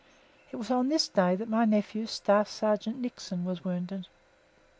It was on this day that my nephew, Staff Sergeant Nickson, was wounded.